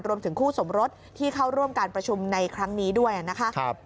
รวมถึงคู่สมรสที่เข้าร่วมการประชุมในครั้งนี้ด้วยนะคะ